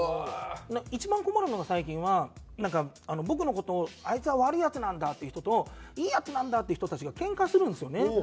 一番困るのが最近はなんか僕の事を「あいつは悪いヤツなんだ」って言う人と「いいヤツなんだ」って言う人たちがけんかするんですよね。